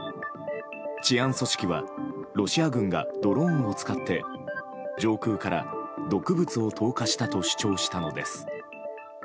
治安組織はロシア軍がドローンを使って上空から毒物を投下したと主張したのです。